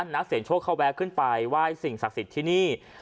นักเสียงโชคเขาแวะขึ้นไปไหว้สิ่งศักดิ์สิทธิ์ที่นี่